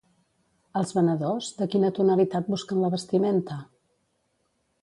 Els venedors, de quina tonalitat busquen la vestimenta?